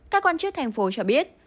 các quan chức thành phố cho biết